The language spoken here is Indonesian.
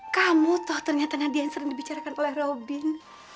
kamu toh ternyata nadia yang sering dibicarakan oleh robin